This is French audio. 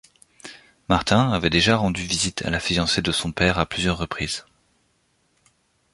Martin avait déjà rendu visite à la fiancée de son père à plusieurs reprises.